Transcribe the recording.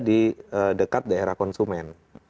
di dekat daerah konsumen